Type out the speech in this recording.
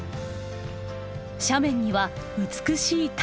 斜面には美しい棚田。